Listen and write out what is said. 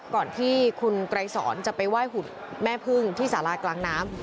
ก่อนที่คุณไกรสอนจะไปไหว้หุ่นแม่พึ่งที่สารากลางน้ำ